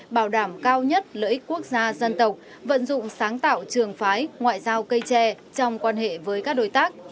bảo đảm cao nhất lợi ích quốc gia dân tộc vận dụng sáng tạo trường phái ngoại giao cây tre trong quan hệ với các đối tác